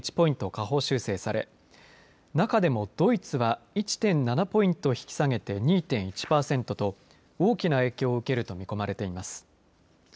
下方修正され中でもドイツは１．７ポイント引き下げて２．１パーセントと大きな影響を受けると見込まれています。